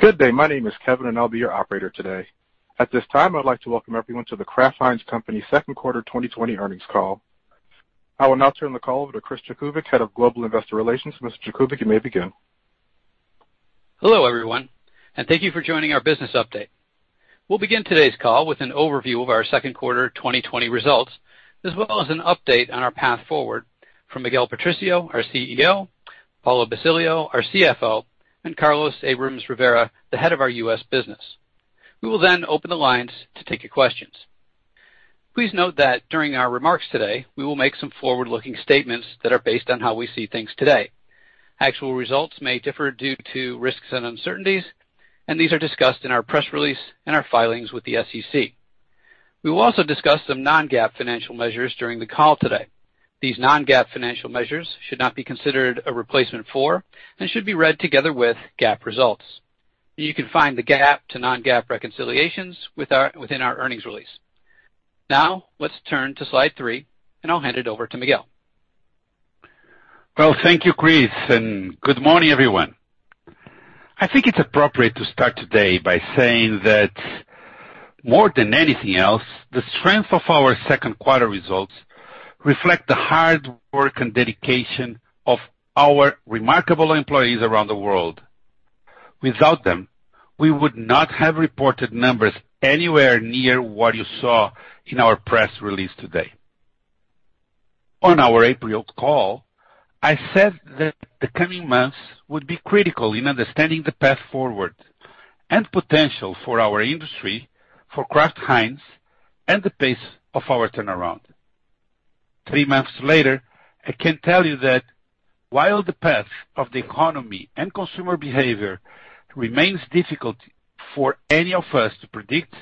Good day. My name is Kevin, and I'll be your operator today. At this time, I'd like to welcome everyone to The Kraft Heinz Company second quarter 2020 earnings call. I will now turn the call over to Chris Jakubik, Head of Global Investor Relations. Mr. Jakubik, you may begin. Hello, everyone, and thank you for joining our business update. We'll begin today's call with an overview of our second quarter 2020 results, as well as an update on our path forward from Miguel Patricio, our CEO, Paulo Basilio, our CFO, and Carlos Abrams-Rivera, the Head of our U.S. Business. We will open the lines to take your questions. Please note that during our remarks today, we will make some forward-looking statements that are based on how we see things today. Actual results may differ due to risks and uncertainties, these are discussed in our press release and our filings with the SEC. We will also discuss some non-GAAP financial measures during the call today. These non-GAAP financial measures should not be considered a replacement for and should be read together with GAAP results. You can find the GAAP to non-GAAP reconciliations within our earnings release. Now, let's turn to slide three, and I'll hand it over to Miguel. Well, thank you, Chris, and good morning, everyone. I think it's appropriate to start today by saying that more than anything else, the strength of our second quarter results reflect the hard work and dedication of our remarkable employees around the world. Without them, we would not have reported numbers anywhere near what you saw in our press release today. On our April call, I said that the coming months would be critical in understanding the path forward and potential for our industry, for Kraft Heinz, and the pace of our turnaround. Three months later, I can tell you that while the path of the economy and consumer behavior remains difficult for any of us to predict,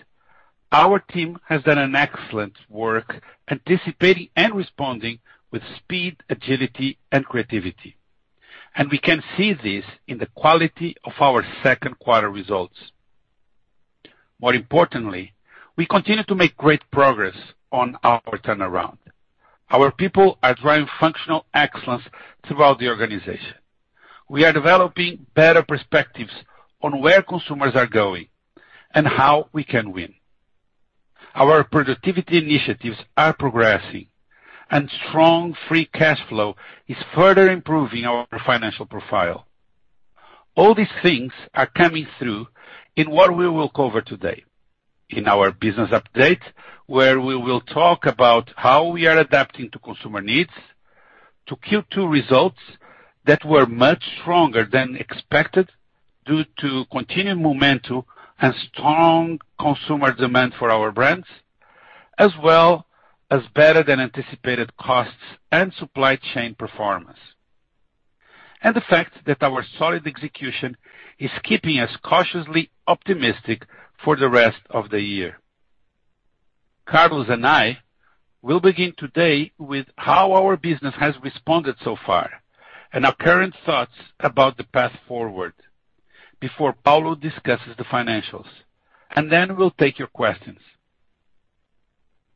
our team has done an excellent work anticipating and responding with speed, agility, and creativity. We can see this in the quality of our second quarter results. More importantly, we continue to make great progress on our turnaround. Our people are driving functional excellence throughout the organization. We are developing better perspectives on where consumers are going and how we can win. Our productivity initiatives are progressing, and strong free cash flow is further improving our financial profile. All these things are coming through in what we will cover today in our business update, where we will talk about how we are adapting to consumer needs, to Q2 results that were much stronger than expected due to continued momentum and strong consumer demand for our brands, as well as better than anticipated costs and supply chain performance, and the fact that our solid execution is keeping us cautiously optimistic for the rest of the year. Carlos and I will begin today with how our business has responded so far and our current thoughts about the path forward before Paulo discusses the financials, and then we'll take your questions.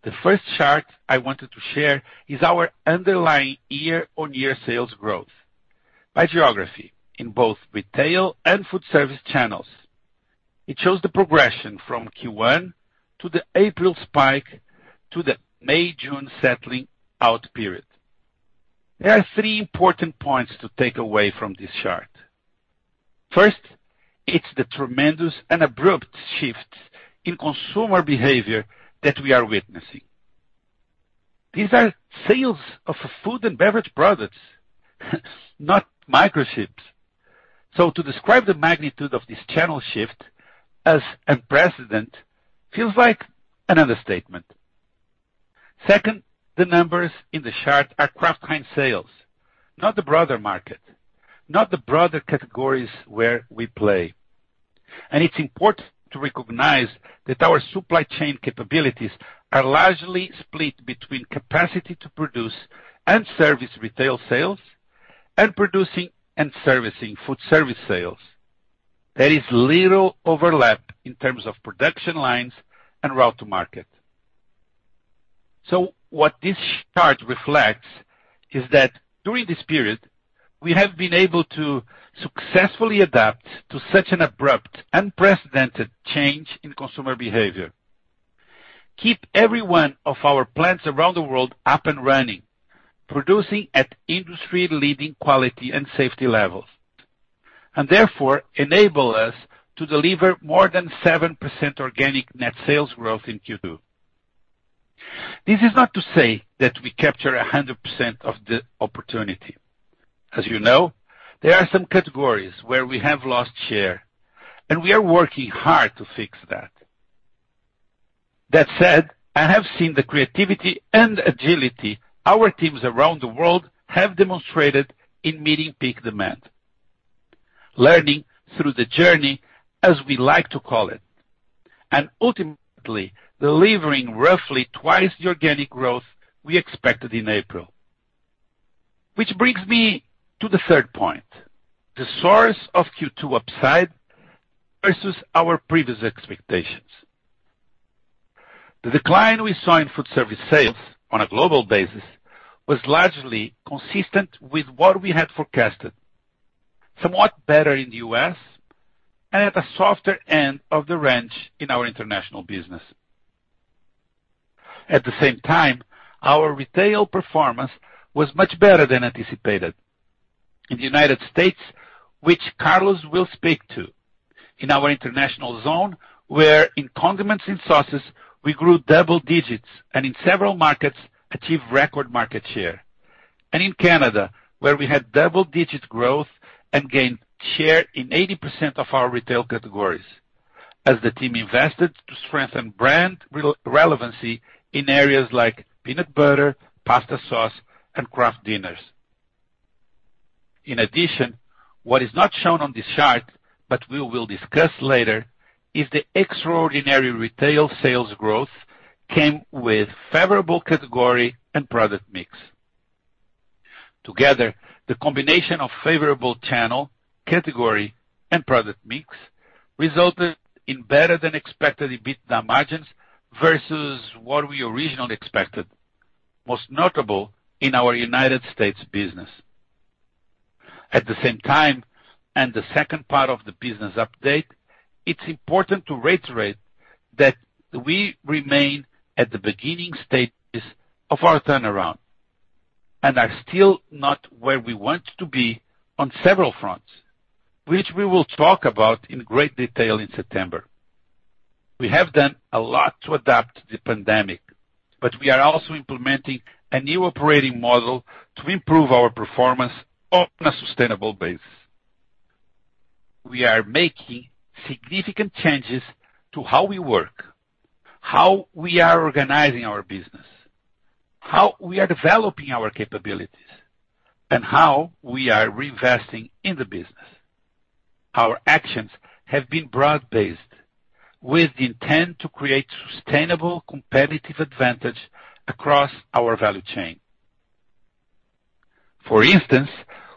The first chart I wanted to share is our underlying year-on-year sales growth by geography in both retail and foodservice channels. It shows the progression from Q1 to the April spike to the May, June settling out period. There are three important points to take away from this chart. First, it's the tremendous and abrupt shift in consumer behavior that we are witnessing. These are sales of food and beverage products, not microchips. To describe the magnitude of this channel shift as unprecedented feels like an understatement. Second, the numbers in the chart are Kraft Heinz sales, not the broader market, not the broader categories where we play. It's important to recognize that our supply chain capabilities are largely split between capacity to produce and service retail sales and producing and servicing foodservice sales. There is little overlap in terms of production lines and route to market. What this chart reflects is that during this period, we have been able to successfully adapt to such an abrupt, unprecedented change in consumer behavior, keep every one of our plants around the world up and running, producing at industry-leading quality and safety levels, and therefore enable us to deliver more than 7% organic net sales growth in Q2. This is not to say that we capture 100% of the opportunity. As you know, there are some categories where we have lost share, and we are working hard to fix that. That said, I have seen the creativity and agility our teams around the world have demonstrated in meeting peak demand. Learning through the journey, as we like to call it, and ultimately delivering roughly twice the organic growth we expected in April. Brings me to the third point, the source of Q2 upside versus our previous expectations. The decline we saw in foodservice sales on a global basis was largely consistent with what we had forecasted. Somewhat better in the U.S., at a softer end of the range in our international business. At the same time, our retail performance was much better than anticipated. In the United States, which Carlos will speak to, in our international zone, where in condiments and sauces, we grew double digits, and in several markets, achieved record market share. In Canada, where we had double-digit growth and gained share in 80% of our retail categories, as the team invested to strengthen brand relevancy in areas like peanut butter, pasta sauce, and Kraft Dinner. In addition, what is not shown on this chart, but we will discuss later, is the extraordinary retail sales growth came with favorable category and product mix. Together, the combination of favorable channel, category, and product mix resulted in better than expected EBITDA margins versus what we originally expected, most notable in our United States business. At the same time, the second part of the business update, it's important to reiterate that we remain at the beginning stages of our turnaround and are still not where we want to be on several fronts, which we will talk about in great detail in September. We have done a lot to adapt to the pandemic, but we are also implementing a new operating model to improve our performance on a sustainable basis. We are making significant changes to how we work, how we are organizing our business, how we are developing our capabilities, and how we are reinvesting in the business. Our actions have been broad-based with the intent to create sustainable competitive advantage across our value chain. For instance,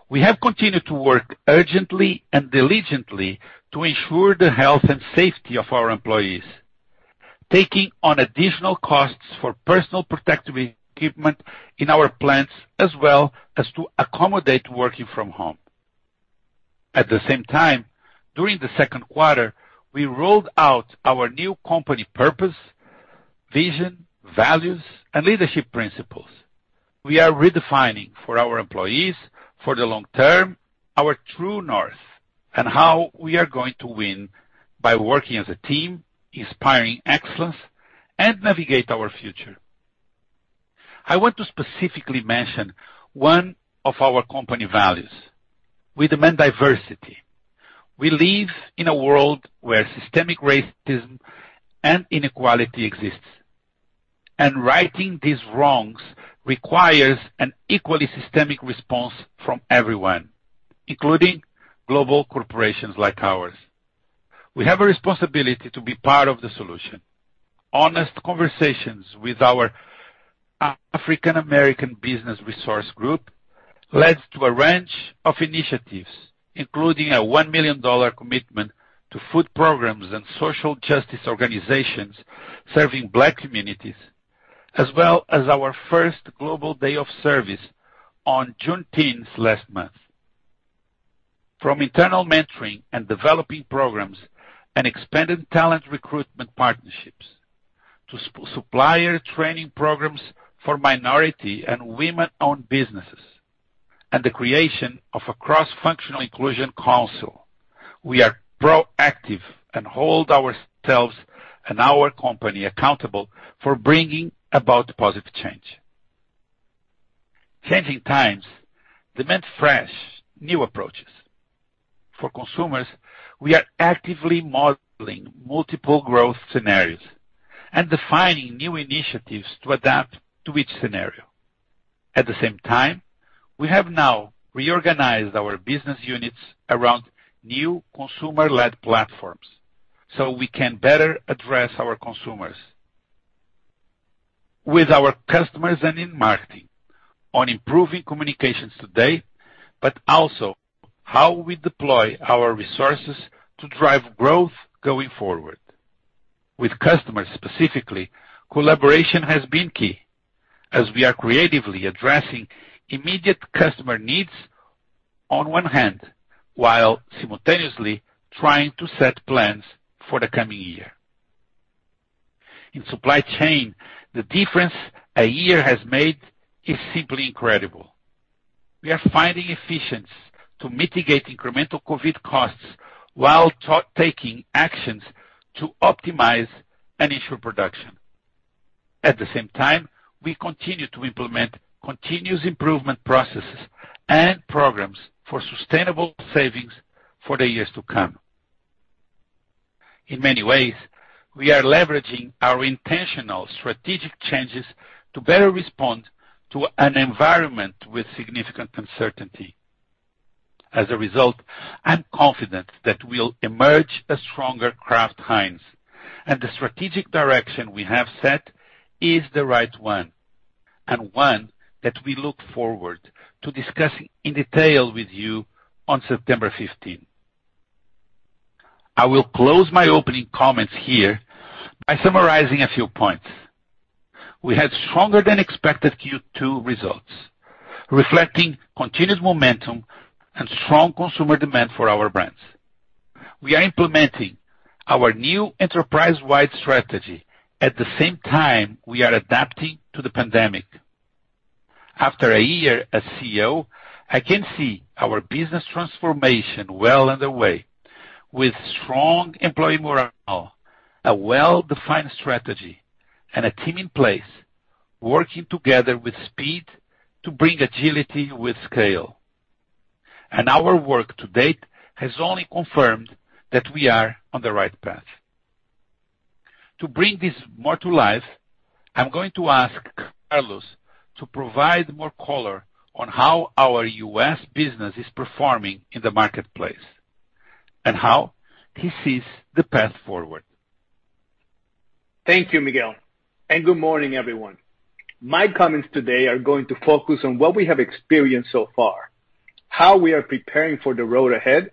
we have continued to work urgently and diligently to ensure the health and safety of our employees, taking on additional costs for personal protective equipment in our plants, as well as to accommodate working from home. At the same time, during the second quarter, we rolled out our new company purpose, vision, values, and leadership principles. We are redefining for our employees, for the long term, our true north and how we are going to win by working as a team, inspiring excellence, and navigate our future. I want to specifically mention one of our company values. We demand diversity. We live in a world where systemic racism and inequality exists, and righting these wrongs requires an equally systemic response from everyone, including global corporations like ours. We have a responsibility to be part of the solution. Honest conversations with our African American Business Resource Group led to a range of initiatives, including a $1 million commitment to food programs and social justice organizations serving Black communities, as well as our first global day of service on Juneteenth last month. From internal mentoring and developing programs and expanded talent recruitment partnerships, to supplier training programs for minority and women-owned businesses, and the creation of a cross-functional inclusion council. We are proactive and hold ourselves and our company accountable for bringing about positive change. Changing times demand fresh, new approaches. For consumers, we are actively modeling multiple growth scenarios and defining new initiatives to adapt to each scenario. At the same time, we have now reorganized our business units around new consumer-led platforms so we can better address our consumers. With our customers and in marketing on improving communications today, but also how we deploy our resources to drive growth going forward. With customers specifically, collaboration has been key as we are creatively addressing immediate customer needs on one hand, while simultaneously trying to set plans for the coming year. In supply chain, the difference a year has made is simply incredible. We are finding efficiency to mitigate incremental COVID costs while taking actions to optimize and ensure production. At the same time, we continue to implement continuous improvement processes and programs for sustainable savings for the years to come. In many ways, we are leveraging our intentional strategic changes to better respond to an environment with significant uncertainty. As a result, I'm confident that we'll emerge a stronger Kraft Heinz, and the strategic direction we have set is the right one, and one that we look forward to discussing in detail with you on September 15. I will close my opening comments here by summarizing a few points. We had stronger than expected Q2 results, reflecting continuous momentum and strong consumer demand for our brands. We are implementing our new enterprise-wide strategy. At the same time, we are adapting to the pandemic. After a year as CEO, I can see our business transformation well underway with strong employee morale, a well-defined strategy, and a team in place, working together with speed to bring agility with scale. Our work to date has only confirmed that we are on the right path. To bring this more to life, I'm going to ask Carlos to provide more color on how our U.S. business is performing in the marketplace and how he sees the path forward. Thank you, Miguel. Good morning, everyone. My comments today are going to focus on what we have experienced so far, how we are preparing for the road ahead,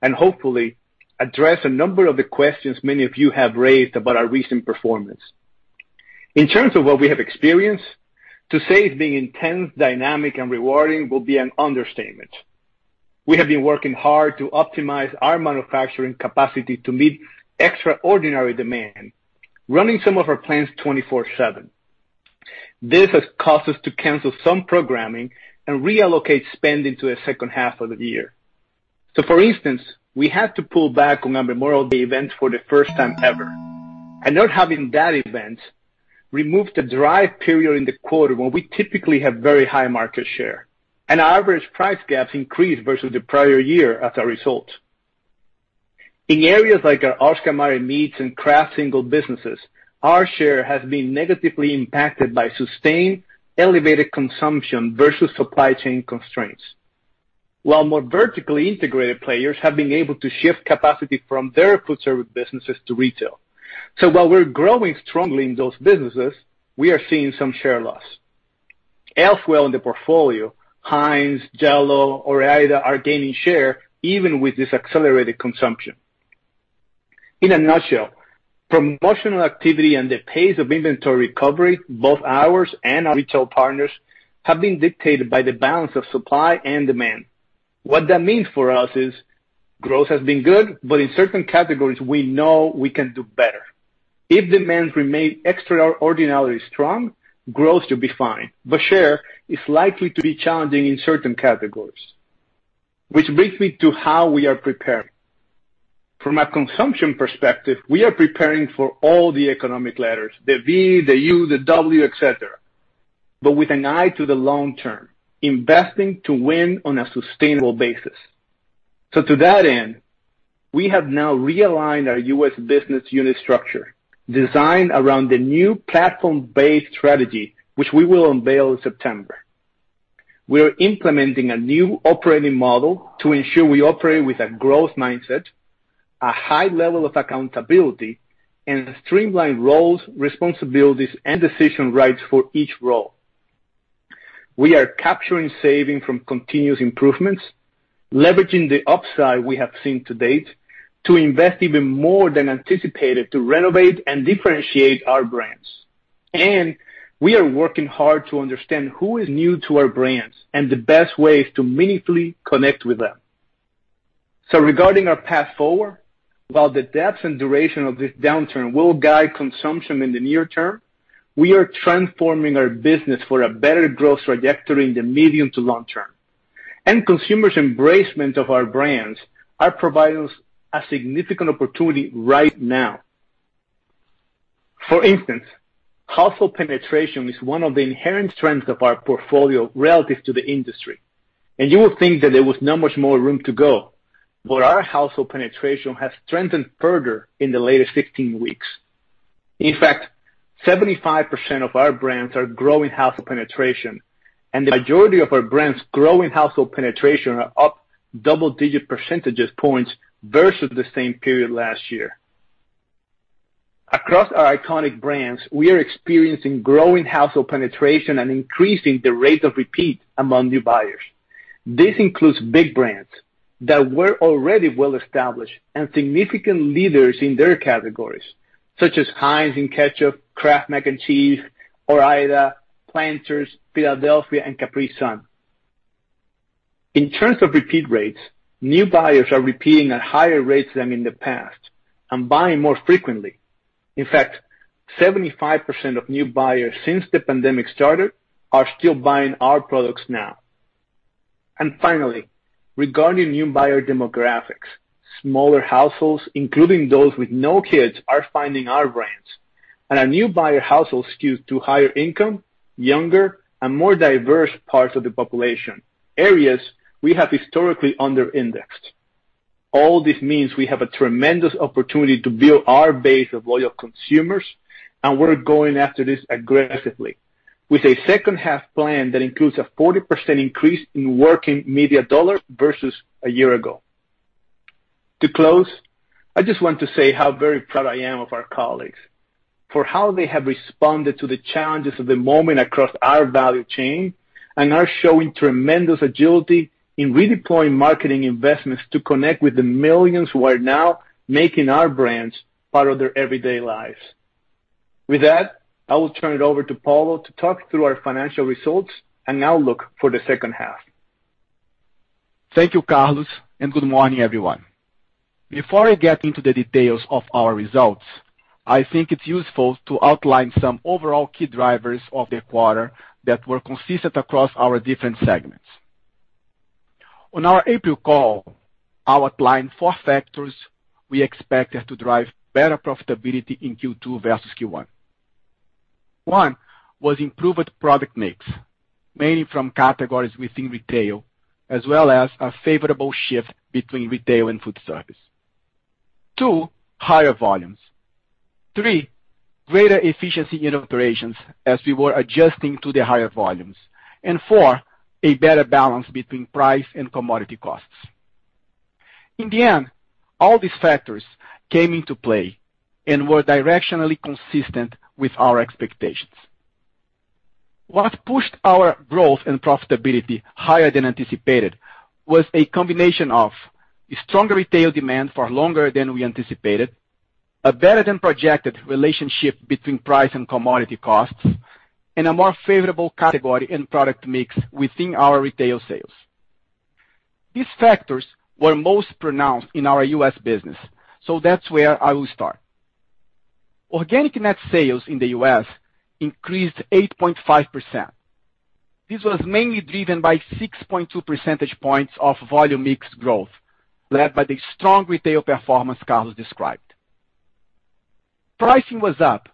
and hopefully address a number of the questions many of you have raised about our recent performance. In terms of what we have experienced, to say it's been intense, dynamic, and rewarding would be an understatement. We have been working hard to optimize our manufacturing capacity to meet extraordinary demand, running some of our plants 24/7. This has caused us to cancel some programming and reallocate spending to the second half of the year. For instance, we had to pull back on Memorial Day events for the first time ever. Not having that event removed a drive period in the quarter where we typically have very high market share, and our average price gaps increased versus the prior year as a result. In areas like our Oscar Mayer meats and Kraft Singles businesses, our share has been negatively impacted by sustained elevated consumption versus supply chain constraints while more vertically integrated players have been able to shift capacity from their foodservice businesses to retail. While we're growing strongly in those businesses, we are seeing some share loss. Elsewhere in the portfolio, Heinz, Jell-O, Ore-Ida are gaining share even with this accelerated consumption. In a nutshell, promotional activity and the pace of inventory recovery, both ours and our retail partners, have been dictated by the balance of supply and demand. What that means for us is growth has been good, but in certain categories, we know we can do better. If demand remains extraordinarily strong, growth should be fine, but share is likely to be challenging in certain categories. Which brings me to how we are preparing. From a consumption perspective, we are preparing for all the economic letters, the V, the U, the W, etc, but with an eye to the long term, investing to win on a sustainable basis. To that end, we have now realigned our U.S. business unit structure designed around the new platform-based strategy, which we will unveil in September. We are implementing a new operating model to ensure we operate with a growth mindset, a high level of accountability, and streamlined roles, responsibilities, and decision rights for each role. We are capturing saving from continuous improvements, leveraging the upside we have seen to date to invest even more than anticipated to renovate and differentiate our brands. We are working hard to understand who is new to our brands and the best ways to meaningfully connect with them. Regarding our path forward, while the depth and duration of this downturn will guide consumption in the near term, we are transforming our business for a better growth trajectory in the medium to long term, and consumers' embracement of our brands are providing us a significant opportunity right now. For instance, household penetration is one of the inherent strengths of our portfolio relative to the industry. You would think that there was not much more room to go, but our household penetration has strengthened further in the latest 16 weeks. In fact, 75% of our brands are growing household penetration, and the majority of our brands growing household penetration are up double-digit percentages points versus the same period last year. Across our iconic brands, we are experiencing growing household penetration and increasing the rate of repeat among new buyers. This includes big brands that were already well established and significant leaders in their categories, such as Heinz in ketchup, Kraft Mac & Cheese, Ore-Ida, Planters, Philadelphia, and Capri Sun. In terms of repeat rates, new buyers are repeating at higher rates than in the past and buying more frequently. In fact, 75% of new buyers since the pandemic started are still buying our products now. Finally, regarding new buyer demographics, smaller households, including those with no kids, are finding our brands. Our new buyer households skew to higher income, younger, and more diverse parts of the population, areas we have historically under-indexed. All this means we have a tremendous opportunity to build our base of loyal consumers, and we're going after this aggressively with a second half plan that includes a 40% increase in working media dollars versus a year ago. To close, I just want to say how very proud I am of our colleagues for how they have responded to the challenges of the moment across our value chain, and are showing tremendous agility in redeploying marketing investments to connect with the millions who are now making our brands part of their everyday lives. With that, I will turn it over to Paulo to talk through our financial results and now look for the second half. Thank you, Carlos, and good morning, everyone. Before I get into the details of our results, I think it's useful to outline some overall key drivers of the quarter that were consistent across our different segments. On our April call, I outlined four factors we expected to drive better profitability in Q2 versus Q1. One, was improved product mix, mainly from categories within retail, as well as a favorable shift between retail and foodservice. Two, higher volumes. Three, greater efficiency in operations as we were adjusting to the higher volumes. Four, a better balance between price and commodity costs. In the end, all these factors came into play and were directionally consistent with our expectations. What pushed our growth and profitability higher than anticipated was a combination of stronger retail demand for longer than we anticipated, a better-than-projected relationship between price and commodity costs, and a more favorable category in product mix within our retail sales. These factors were most pronounced in our U.S. business, so that's where I will start. Organic net sales in the U.S. increased 8.5%. This was mainly driven by 6.2 percentage points of volume mix growth, led by the strong retail performance Carlos described. Pricing was up,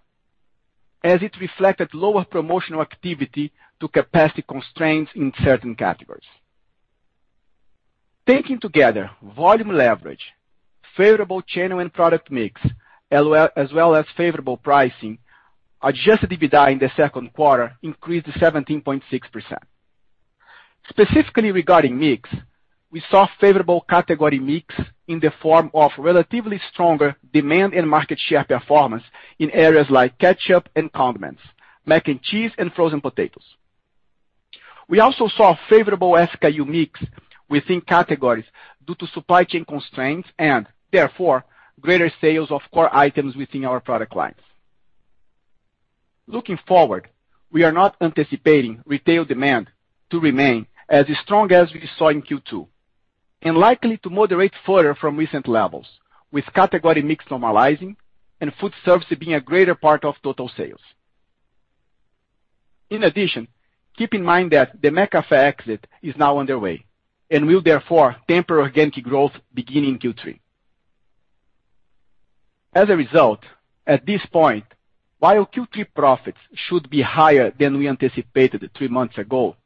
as it reflected lower promotional activity to capacity constraints in certain categories. Taking together volume leverage, favorable channel and product mix, as well as favorable pricing, adjusted EBITDA in the second quarter increased to 17.6%. Specifically regarding mix, we saw favorable category mix in the form of relatively stronger demand and market share performance in areas like ketchup and condiments, mac and cheese, and frozen potatoes. We also saw favorable SKU mix within categories due to supply chain constraints, and therefore, greater sales of core items within our product lines. Looking forward, we are not anticipating retail demand to remain as strong as we saw in Q2, and likely to moderate further from recent levels, with category mix normalizing and foodservice being a greater part of total sales. In addition, keep in mind that the McCafé exit is now underway and will therefore temper organic growth beginning Q3. As a result, at this point, while Q3 profits should be higher than we anticipated three months ago,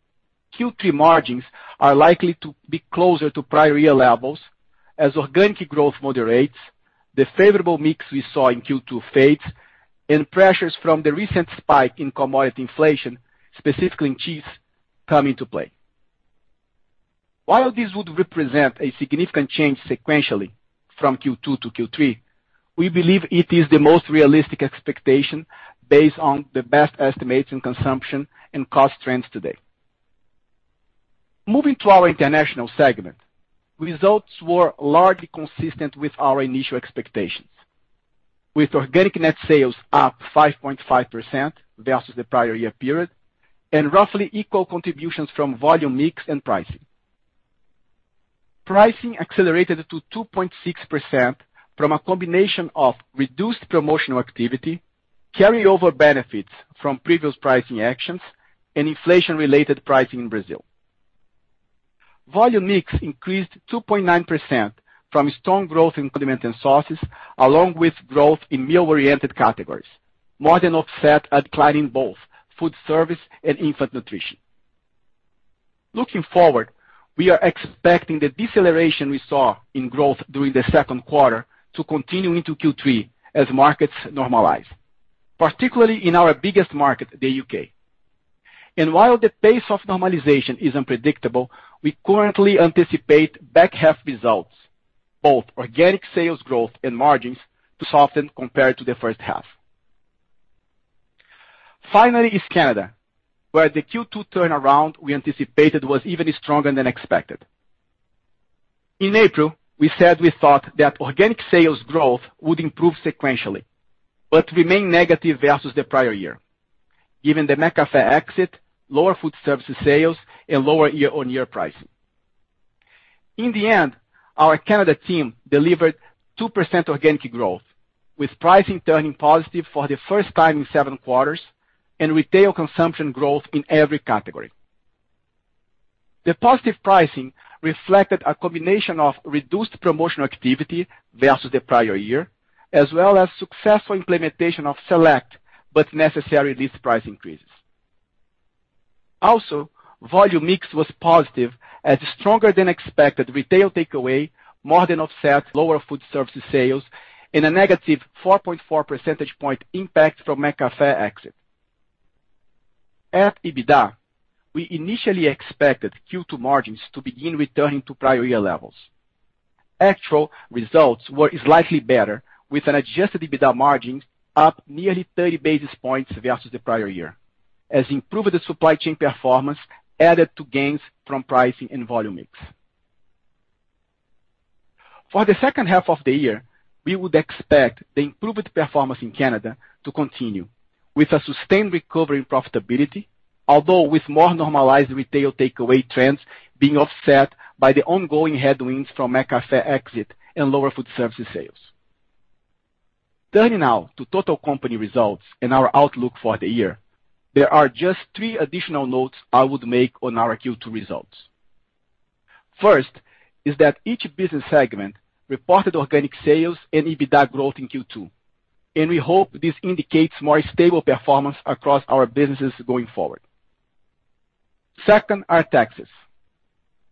Q3 margins are likely to be closer to prior year levels as organic growth moderates, the favorable mix we saw in Q2 fades, and pressures from the recent spike in commodity inflation, specifically in cheese, come into play. While this would represent a significant change sequentially from Q2 to Q3, we believe it is the most realistic expectation based on the best estimates in consumption and cost trends today. Moving to our international segment, results were largely consistent with our initial expectations, with organic net sales up 5.5% versus the prior year period, and roughly equal contributions from volume mix and pricing. Pricing accelerated to 2.6% from a combination of reduced promotional activity, carryover benefits from previous pricing actions, and inflation-related pricing in Brazil. Volume mix increased 2.9% from strong growth in condiment and sauces, along with growth in meal-oriented categories, more than offset a decline in both foodservice and infant nutrition. Looking forward, we are expecting the deceleration we saw in growth during the second quarter to continue into Q3 as markets normalize, particularly in our biggest market, the U.K. While the pace of normalization is unpredictable, we currently anticipate back-half results, both organic sales growth and margins, to soften compared to the first half. Finally, is Canada, where the Q2 turnaround we anticipated was even stronger than expected. In April, we said we thought that organic sales growth would improve sequentially, but remain negative versus the prior year, given the McCafé exit, lower foodservices sales, and lower year-on-year pricing. In the end, our Canada team delivered 2% organic growth, with pricing turning positive for the first time in seven quarters and retail consumption growth in every category. The positive pricing reflected a combination of reduced promotional activity versus the prior year, as well as successful implementation of select but necessary list price increases. Also, Volume mix was positive as stronger-than-expected retail takeaway more than offset lower foodservices sales and a -4.4 percentage point impact from McCafé exit. At EBITDA, we initially expected Q2 margins to begin returning to prior year levels. Actual results were slightly better, with an adjusted EBITDA margins up nearly 30 basis points versus the prior year, as improved supply chain performance added to gains from pricing and volume mix. For the second half of the year, we would expect the improved performance in Canada to continue with a sustained recovery in profitability, although with more normalized retail takeaway trends being offset by the ongoing headwinds from McCafé exit and lower foodservice sales. Turning now to total company results and our outlook for the year, there are just three additional notes I would make on our Q2 results. First, is that each business segment reported organic sales and EBITDA growth in Q2, and we hope this indicates more stable performance across our businesses going forward. Second are taxes.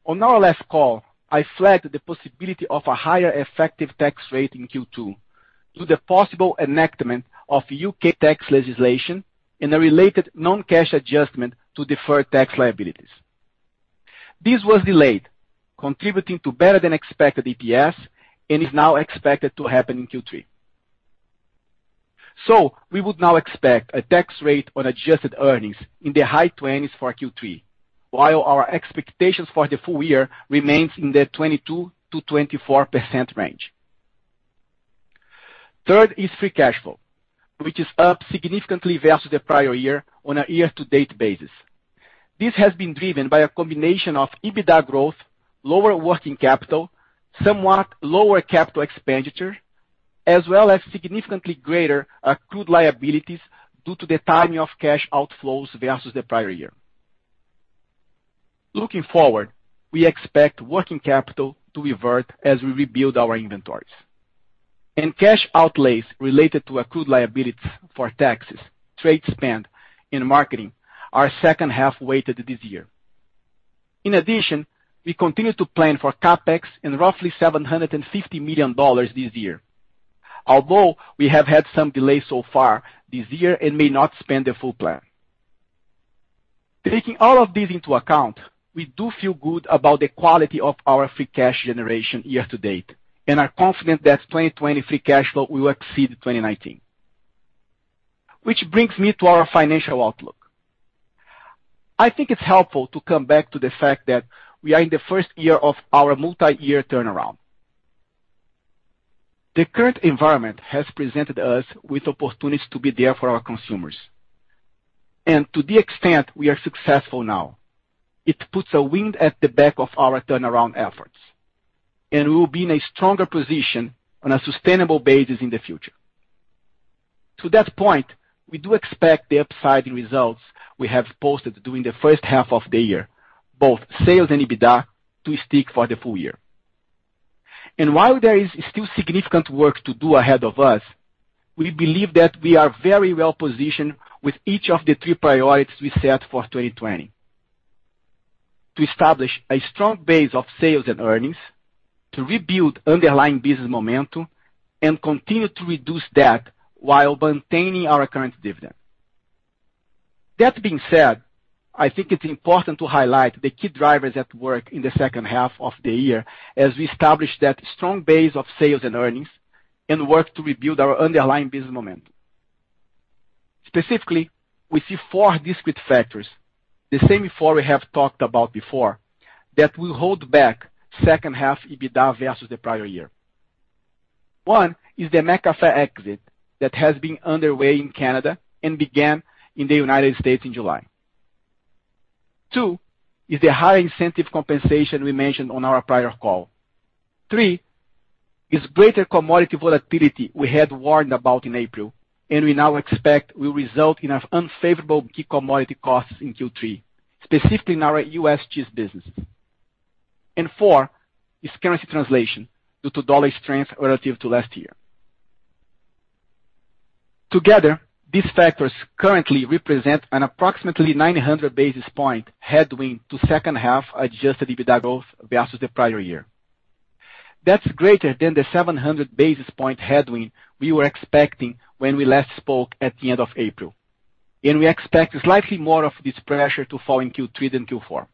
On our last call, I flagged the possibility of a higher effective tax rate in Q2 due to the possible enactment of U.K. tax legislation and a related non-cash adjustment to deferred tax liabilities. This was delayed, contributing to better-than-expected EPS and is now expected to happen in Q3. We would now expect a tax rate on adjusted earnings in the high 20s for Q3, while our expectations for the full year remains in the 22%-24% range. Third is free cash flow, which is up significantly versus the prior year on a year-to-date basis. This has been driven by a combination of EBITDA growth, lower working capital, somewhat lower capital expenditure, as well as significantly greater accrued liabilities due to the timing of cash outflows versus the prior year. Looking forward, we expect working capital to revert as we rebuild our inventories. Cash outlays related to accrued liabilities for taxes, trade spend and marketing are second-half weighted this year. In addition, we continue to plan for CapEx in roughly $750 million this year. Although we have had some delays so far this year and may not spend the full plan. Taking all of this into account, we do feel good about the quality of our free cash generation year-to-date and are confident that 2020 free cash flow will exceed 2019. Which brings me to our financial outlook. I think it's helpful to come back to the fact that we are in the first year of our multi-year turnaround. The current environment has presented us with opportunities to be there for our consumers. To the extent we are successful now, it puts a wind at the back of our turnaround efforts, and we will be in a stronger position on a sustainable basis in the future. To that point, we do expect the upside in results we have posted during the first half of the year, both sales and EBITDA, to stick for the full year. While there is still significant work to do ahead of us, we believe that we are very well positioned with each of the three priorities we set for 2020. To establish a strong base of sales and earnings, to rebuild underlying business momentum, and continue to reduce debt while maintaining our current dividend. That being said, I think it's important to highlight the key drivers at work in the second half of the year as we establish that strong base of sales and earnings and work to rebuild our underlying business momentum. Specifically, we see four discrete factors, the same four we have talked about before, that will hold back second half EBITDA versus the prior year. One is the McCafé exit that has been underway in Canada and began in the United States in July. Two is the higher incentive compensation we mentioned on our prior call. Three is greater commodity volatility we had warned about in April and we now expect will result in unfavorable key commodity costs in Q3, specifically in our U.S. cheese business. Four is currency translation due to dollar strength relative to last year. Together, these factors currently represent an approximately 900 basis point headwind to second half adjusted EBITDA growth versus the prior year. That's greater than the 700 basis point headwind we were expecting when we last spoke at the end of April, and we expect slightly more of this pressure to fall in Q3 than Q4.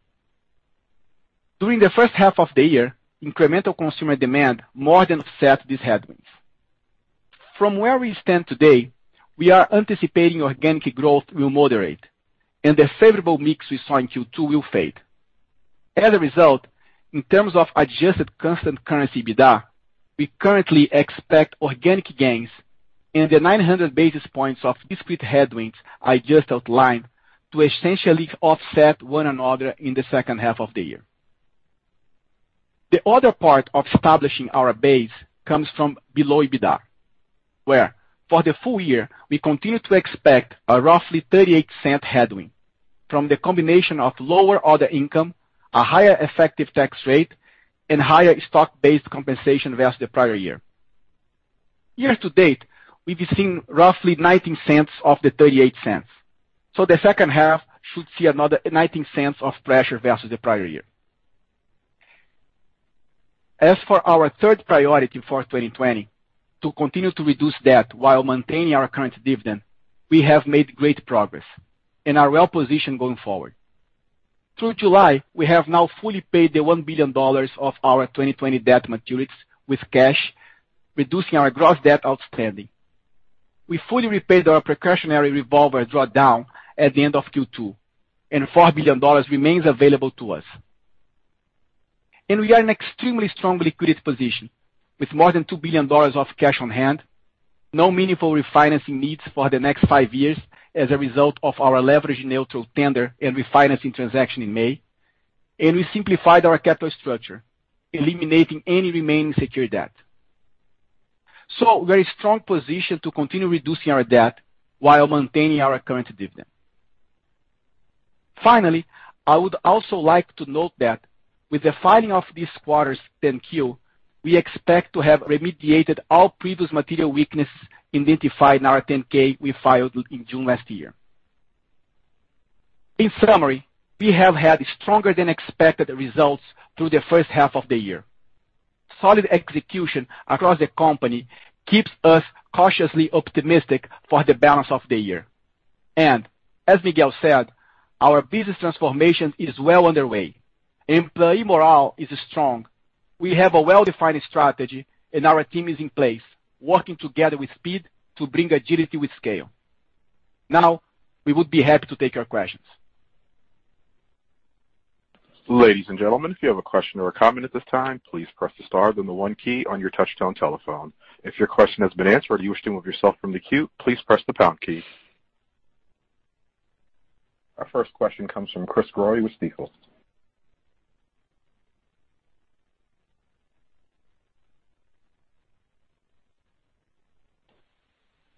During the first half of the year, incremental consumer demand more than offset these headwinds. From where we stand today, we are anticipating organic growth will moderate, and the favorable mix we saw in Q2 will fade. As a result, in terms of adjusted constant currency EBITDA, we currently expect organic gains and the 900 basis points of discrete headwinds I just outlined to essentially offset one another in the second half of the year. The other part of establishing our base comes from below EBITDA, where for the full year, we continue to expect a roughly $0.38 headwind from the combination of lower other income, a higher effective tax rate, and higher stock-based compensation versus the prior year. Year-to-date, we've seen roughly $0.19 of the $0.38. The second half should see another $0.19 of pressure versus the prior year. As for our third priority for 2020, to continue to reduce debt while maintaining our current dividend, we have made great progress and are well-positioned going forward. Through July, we have now fully paid the $1 billion of our 2020 debt maturities with cash, reducing our gross debt outstanding. $4 billion remains available to us. We fully repaid our precautionary revolver drawdown at the end of Q2, and $5 million remains available to us. We are in extremely strong liquid position with more than $2 billion of cash on hand, no meaningful refinancing needs for the next five years as a result of our leverage neutral tender and refinancing transaction in May, and we simplified our capital structure, eliminating any remaining secured debt. Very strong position to continue reducing our debt while maintaining our current dividend. Finally, I would also like to note that with the filing of this quarter's 10-Q, we expect to have remediated all previous material weakness identified in our 10-K we filed in June last year. In summary, we have had stronger than expected results through the first half of the year. Solid execution across the company keeps us cautiously optimistic for the balance of the year. As Miguel said, our business transformation is well underway. Employee morale is strong. We have a well-defined strategy, and our team is in place, working together with speed to bring agility with scale. Now, we would be happy to take your questions. Ladies and gentlemen, if you have a question or a comment at this time, please press the star then the one key on your touchtone telephone. If your question has been answered or you wish to move yourself from the queue, please press the pound key. Our first question comes from Chris Growe with Stifel. Chris, I think you may be on mute. Chris, your line is open.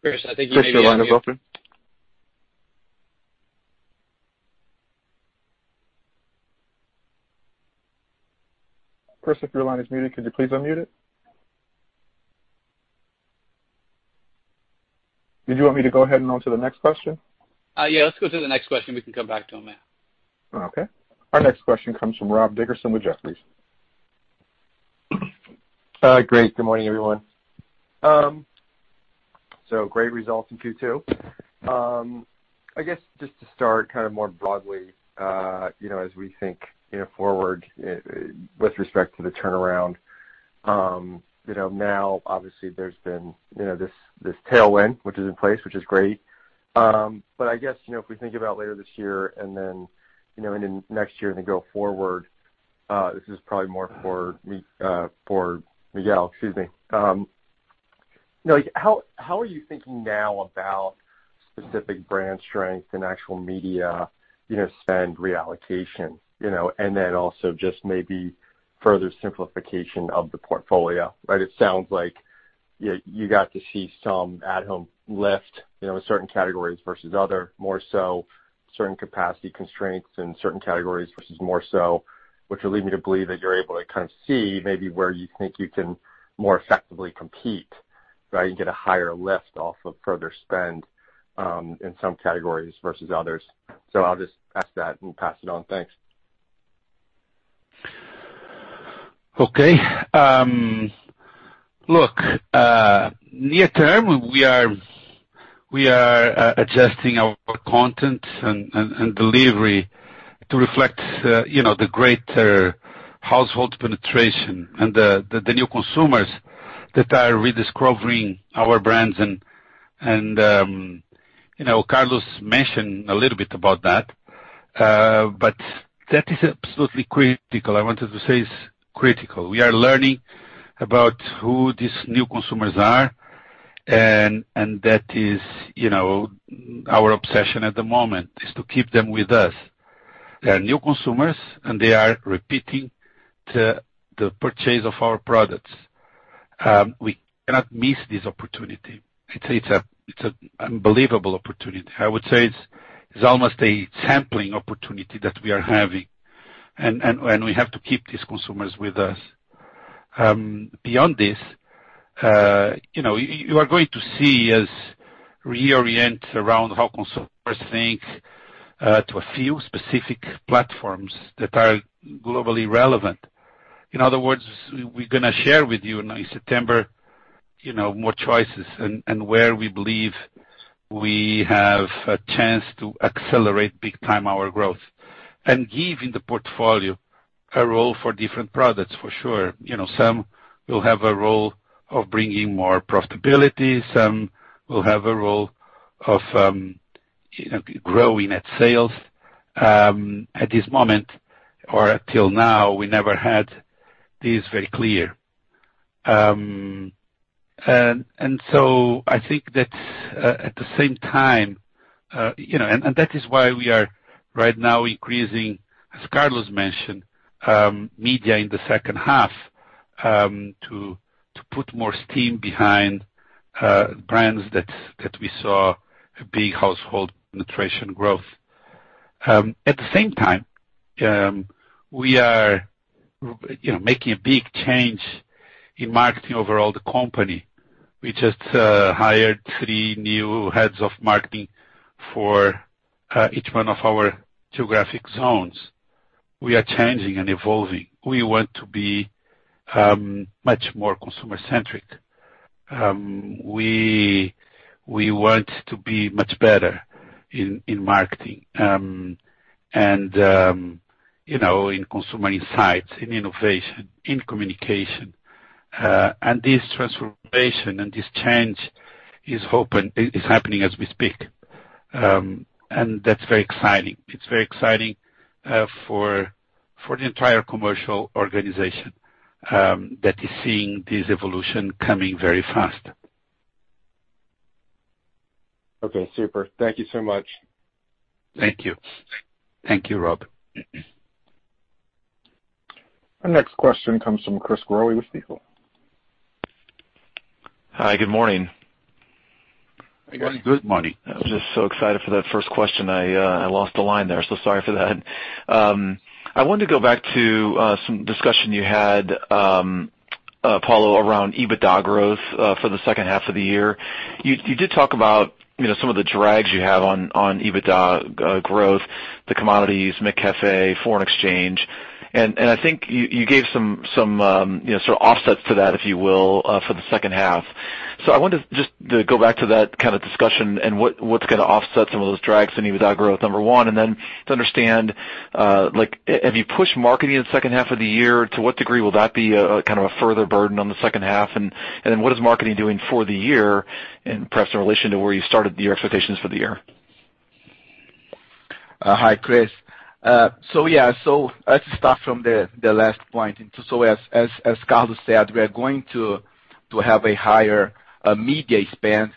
Chris, if your line is muted, could you please unmute it? Did you want me to go ahead and on to the next question? Yeah, let's go to the next question. We can come back to him, yeah. Okay. Our next question comes from Rob Dickerson with Jefferies. Great. Good morning, everyone. Great results in Q2. I guess, just to start kind of more broadly, as we think forward with respect to the turnaround. Obviously there's been this tailwind which is in place, which is great. I guess, if we think about later this year and then into next year and then go forward, this is probably more for Miguel. How are you thinking now about specific brand strength and actual media spend reallocation, and then also just maybe further simplification of the portfolio, right? It sounds like you got to see some at-home lift in certain categories versus other, more so certain capacity constraints in certain categories versus more so, which would lead me to believe that you're able to kind of see maybe where you think you can more effectively compete, right? You get a higher lift off of further spend, in some categories versus others. I'll just ask that and pass it on. Thanks. Look, near term, we are adjusting our content and delivery to reflect the greater household penetration and the new consumers that are rediscovering our brands. Carlos mentioned a little bit about that. That is absolutely critical. I wanted to say it's critical. We are learning about who these new consumers are. That is our obsession at the moment, is to keep them with us. They are new consumers. They are repeating the purchase of our products. We cannot miss this opportunity. It's an unbelievable opportunity. I would say it's almost a sampling opportunity that we are having. We have to keep these consumers with us. Beyond this, you are going to see us reorient around how consumers think, to a few specific platforms that are globally relevant. In other words, we're going to share with you in September more choices and where we believe we have a chance to accelerate big time our growth and giving the portfolio a role for different products, for sure. Some will have a role of bringing more profitability, some will have a role of growing at sales. At this moment or till now, we never had this very clear. I think that at the same time, and that is why we are right now increasing, as Carlos mentioned, media in the second half, to put more steam behind brands that we saw a big household penetration growth. At the same time, we are making a big change In marketing overall the company, we just hired three new heads of marketing for each one of our geographic zones. We are changing and evolving. We want to be much more consumer-centric. We want to be much better in marketing, in consumer insights, in innovation, in communication. This transformation and this change is happening as we speak. That's very exciting. It's very exciting for the entire commercial organization that is seeing this evolution coming very fast. Okay, super. Thank you so much. Thank you. Thank you, Rob. Our next question comes from Chris Growe with Stifel. Hi, good morning. Good morning. I was just so excited for that first question, I lost the line there. Sorry for that. I wanted to go back to some discussion you had, Paulo, around EBITDA growth for the second half of the year. You did talk about some of the drags you have on EBITDA growth, the commodities, McCafé, foreign exchange, and I think you gave some sort of offsets to that, if you will, for the second half. I wanted just to go back to that kind of discussion and what's going to offset some of those drags in EBITDA growth, number 1, and then to understand, if you push marketing in the second half of the year, to what degree will that be a further burden on the second half, and then what is marketing doing for the year and perhaps in relation to where you started your expectations for the year? Hi, Chris. Let's start from the last point. As Carlos said, we are going to have a higher media spend,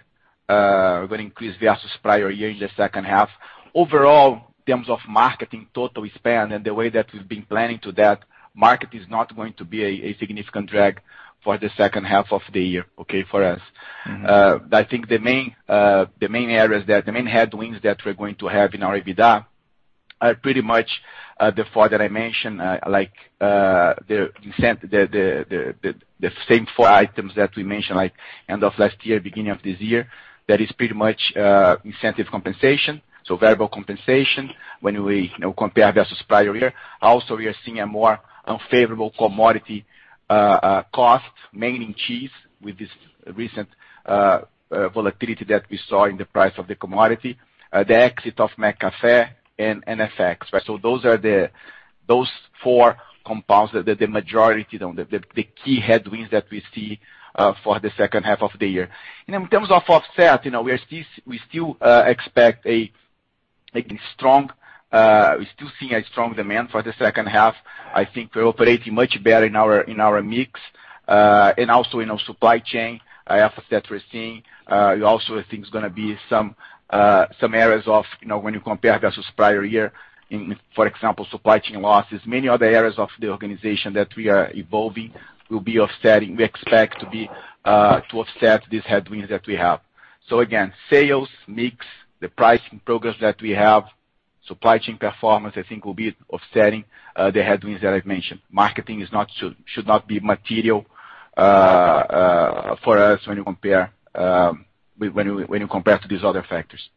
we're going to increase versus prior year in the second half. Overall, in terms of marketing total spend and the way that we've been planning to that, market is not going to be a significant drag for the second half of the year for us. I think the main areas, the main headwinds that we're going to have in our EBITDA are pretty much the four that I mentioned, the same four items that we mentioned end of last year, beginning of this year. That is pretty much incentive compensation, so variable compensation when we compare versus prior year. We are seeing a more unfavorable commodity cost, mainly cheese, with this recent volatility that we saw in the price of the commodity, the exit of McCafé, and FX. Those four compounds are the majority, the key headwinds that we see for the second half of the year. In terms of offset, we're still seeing a strong demand for the second half. I think we're operating much better in our mix, and also in our supply chain efforts that we're seeing. I think it's going to be some areas of when you compare versus prior year in, for example, supply chain losses, many other areas of the organization that we are evolving will be offsetting. We expect to offset these headwinds that we have. Again, sales, mix, the pricing progress that we have, supply chain performance, I think will be offsetting the headwinds that I've mentioned. Marketing should not be material for us when you compare to these other factors.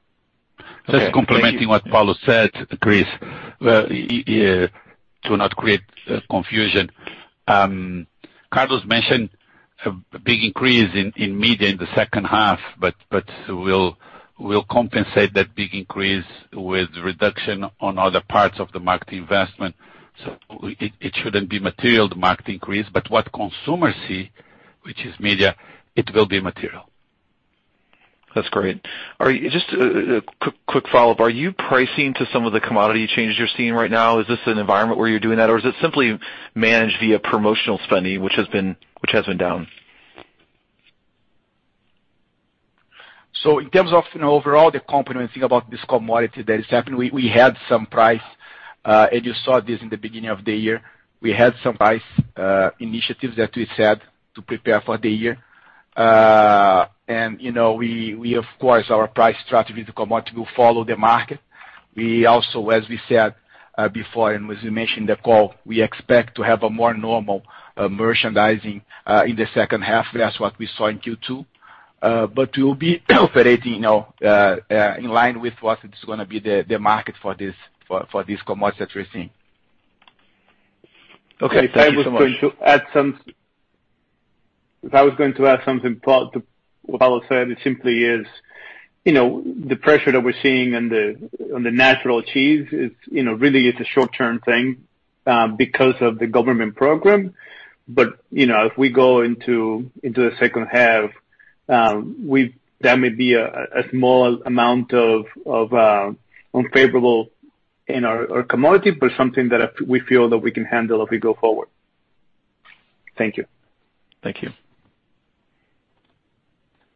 Just complementing what Paulo said, Chris, to not create confusion. Carlos mentioned a big increase in media in the second half, but we'll compensate that big increase with reduction on other parts of the marketing investment. It shouldn't be material, the marketing increase, but what consumers see, which is media, it will be material. That's great. All right. Just a quick follow-up. Are you pricing to some of the commodity changes you're seeing right now? Is this an environment where you're doing that, or is it simply managed via promotional spending, which has been down? In terms of overall the complexity about this commodity that is happening, we had some price, and you saw this in the beginning of the year. We had some price initiatives that we set to prepare for the year. Of course, our price strategy with the commodity will follow the market. We also, as we said before, and as we mentioned in the call, we expect to have a more normal merchandising in the second half versus what we saw in Q2. We'll be operating in line with what is going to be the market for this commodity that we're seeing. Okay. Thank you so much. If I was going to add something, Paulo, to what Paulo said, it simply is the pressure that we're seeing on the natural cheese really is a short-term thing because of the government program. If we go into the second half, that may be a small amount of unfavorable in our commodity, but something that we feel that we can handle as we go forward. Thank you. Thank you.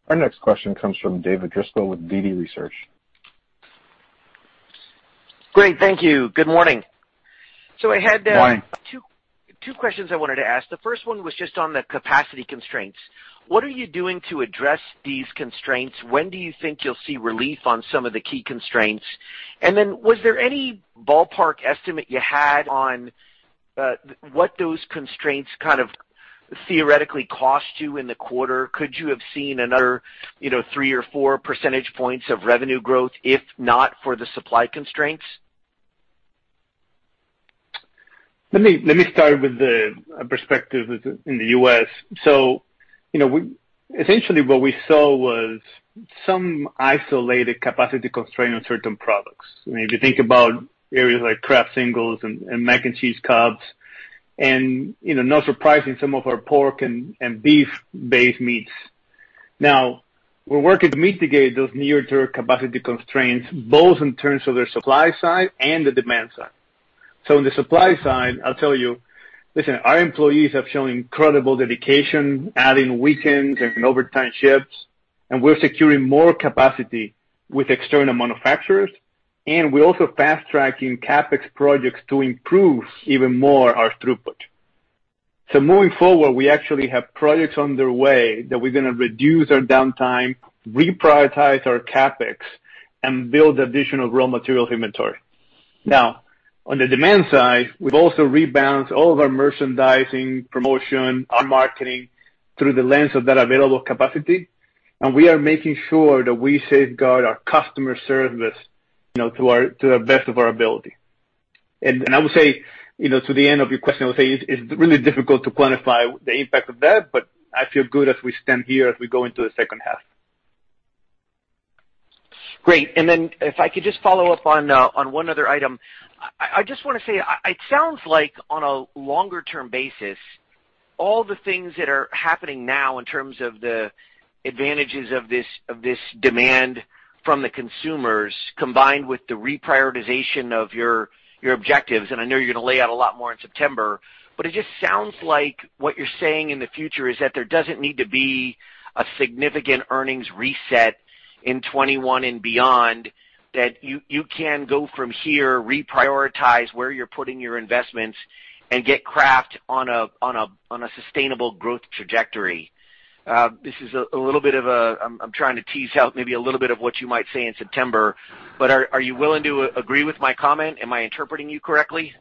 Our next question comes from David Driscoll with DD Research. Great. Thank you. Good morning. Morning. I had two questions I wanted to ask. The first one was just on the capacity constraints. What are you doing to address these constraints? When do you think you'll see relief on some of the key constraints? Was there any ballpark estimate you had on what those constraints theoretically cost you in the quarter, could you have seen another three or four percentage points of revenue growth if not for the supply constraints? Let me start with the perspective in the U.S. Essentially what we saw was some isolated capacity constraint on certain products. If you think about areas like Kraft Singles and Mac & Cheese Cups, and not surprising, some of our pork and beef-based meats. We're working to mitigate those near-term capacity constraints, both in terms of their supply side and the demand side. On the supply side, I'll tell you, listen, our employees have shown incredible dedication, adding weekends and overtime shifts, and we're securing more capacity with external manufacturers, and we're also fast-tracking CapEx projects to improve even more our throughput. Moving forward, we actually have projects underway that we're going to reduce our downtime, reprioritize our CapEx, and build additional raw material inventory. On the demand side, we've also rebalanced all of our merchandising, promotion, our marketing through the lens of that available capacity. We are making sure that we safeguard our customer service to the best of our ability. I would say to the end of your question, I would say it's really difficult to quantify the impact of that, but I feel good as we stand here as we go into the second half. Great. If I could just follow up on one other item. I just want to say it sounds like on a longer-term basis, all the things that are happening now in terms of the advantages of this demand from the consumers, combined with the reprioritization of your objectives, and I know you're going to lay out a lot more in September. It just sounds like what you're saying in the future is that there doesn't need to be a significant earnings reset in 2021 and beyond, that you can go from here, reprioritize where you're putting your investments, and get Kraft on a sustainable growth trajectory. This is a little bit, I'm trying to tease out maybe a little bit of what you might say in September. Are you willing to agree with my comment? Am I interpreting you correctly?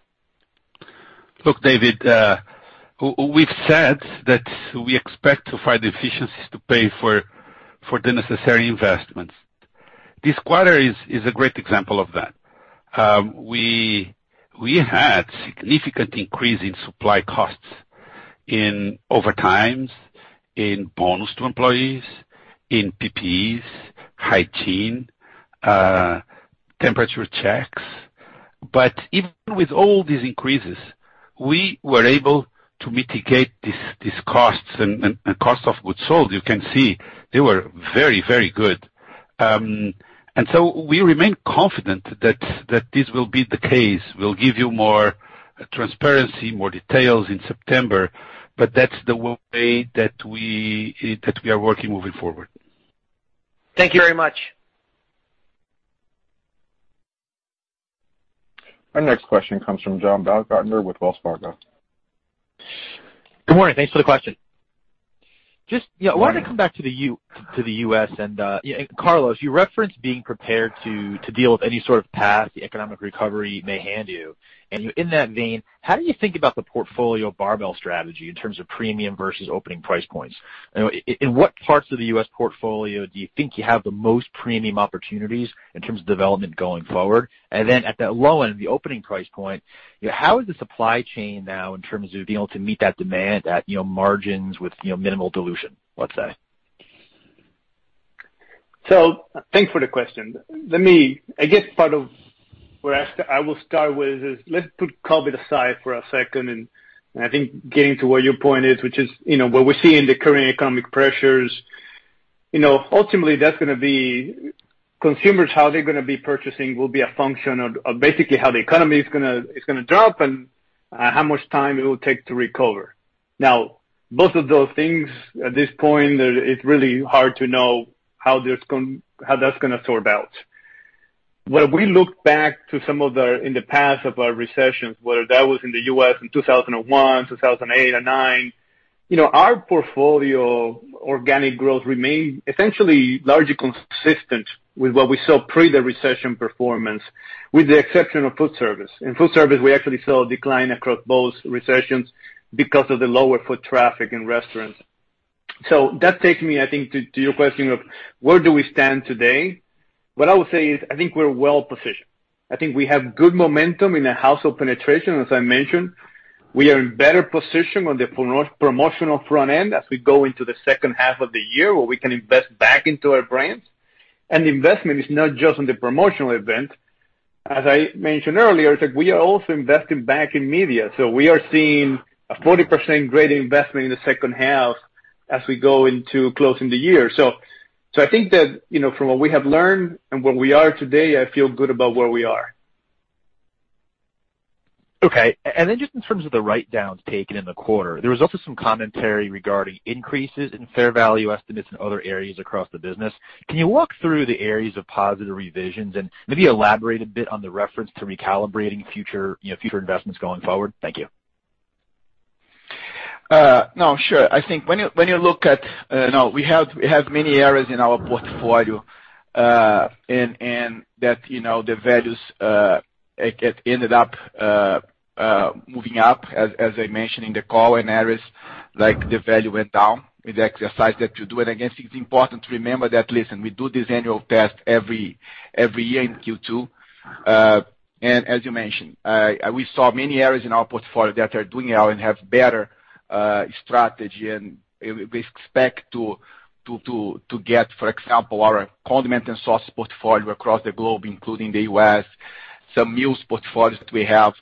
Look, David, we've said that we expect to find the efficiencies to pay for the necessary investments. This quarter is a great example of that. We had significant increase in supply costs in overtimes, in bonus to employees, in PPEs, hygiene, temperature checks. Even with all these increases, we were able to mitigate these costs and cost of goods sold. You can see they were very, very good. We remain confident that this will be the case. We'll give you more transparency, more details in September, but that's the way that we are working moving forward. Thank you very much. Our next question comes from John Baumgartner with Wells Fargo. Good morning. Thanks for the question. Good morning. Just wanted to come back to the U.S., Carlos, you referenced being prepared to deal with any sort of path the economic recovery may hand you. In that vein, how do you think about the portfolio barbell strategy in terms of premium versus opening price points? In what parts of the U.S. portfolio do you think you have the most premium opportunities in terms of development going forward? At that low end, the opening price point, how is the supply chain now in terms of being able to meet that demand at margins with minimal dilution, let's say? Thanks for the question. I guess part of where I will start with is, let's put COVID aside for a second, and I think getting to where your point is, which is what we're seeing in the current economic pressures. Ultimately, that's going to be consumers, how they're going to be purchasing will be a function of basically how the economy is going to drop and how much time it will take to recover. Both of those things, at this point, it's really hard to know how that's going to sort out. When we look back to some of the, in the past of our recessions, whether that was in the U.S. in 2001, 2008 or 2009, our portfolio organic growth remained essentially largely consistent with what we saw pre the recession performance. With the exception of foodservice. In foodservice, we actually saw a decline across both recessions because of the lower foot traffic in restaurants. That takes me, I think, to your question of where do we stand today? What I would say is, I think we're well-positioned. I think we have good momentum in the household penetration, as I mentioned. We are in better position on the promotional front end as we go into the second half of the year where we can invest back into our brands. Investment is not just on the promotional event, as I mentioned earlier, it's like we are also investing back in media. We are seeing a 40% greater investment in the second half as we go into closing the year. I think that from what we have learned and where we are today, I feel good about where we are. Okay. Just in terms of the write-downs taken in the quarter, there was also some commentary regarding increases in fair value estimates in other areas across the business. Can you walk through the areas of positive revisions and maybe elaborate a bit on the reference to recalibrating future investments going forward? Thank you. No, sure. I think when you look at, we have many areas in our portfolio, and that the values, it ended up moving up as I mentioned in the call. Like the value went down with the exercise that you do. Again, it's important to remember that, listen, we do this annual test every year in Q2. As you mentioned, we saw many areas in our portfolio that are doing well and have better strategy. We expect to get, for example, our condiment and sauce portfolio across the globe, including the U.S., some new portfolios that we have.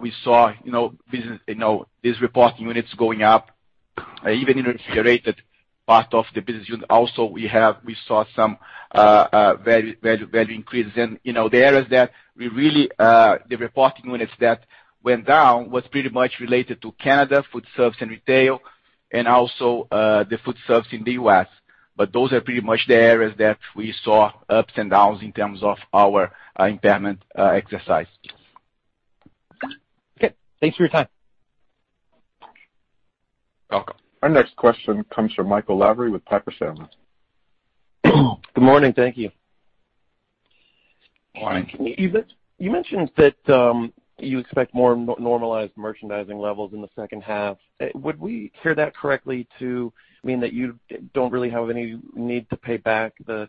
We saw these reporting units going up, even in a generated part of the business unit also, we saw some value increases. The areas that the reporting units that went down was pretty much related to Canada foodservice and retail, and also the foodservice in the U.S. Those are pretty much the areas that we saw ups and downs in terms of our impairment exercise. Okay. Thanks for your time. Welcome. Our next question comes from Michael Lavery with Piper Sandler. Good morning. Thank you. Morning. You mentioned that you expect more normalized merchandising levels in the second half. Would we hear that correctly to mean that you don't really have any need to pay back the